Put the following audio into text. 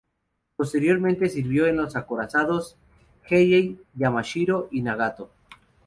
Posteriormente sirvió en los acorazados "Hiei", "Yamashiro" y "Nagato".